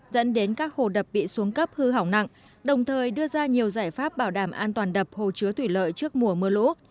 dẫn đến các hồ đập bị xuống cấp hư hỏng nặng đồng thời đưa ra nhiều giải pháp bảo đảm an toàn đập hồ chứa thủy lợi trước mùa mưa lũ